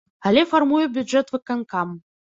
Але фармуе бюджэт выканкам.